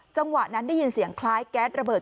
จังหวะนั้นได้ยินเสียงคล้ายแก๊สระเบิด